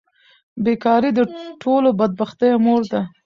بیکاري د ټولو بدبختیو مور ده.